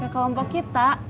ke kelompok kita